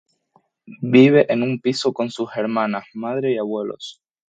Vive en un piso con sus hermanas, madre y abuelos.